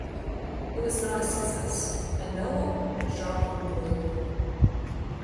It was not a success, and Noel was dropped from the label.